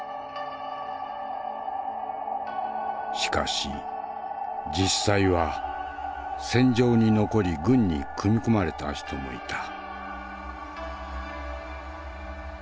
しかし実際は戦場に残り軍に組み込まれた人もいた。